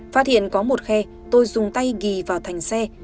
phát hiện có một khe tôi dùng tay ghi vào thành xe